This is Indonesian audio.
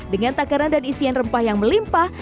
dengan takaran dan isian rempah yang melimpah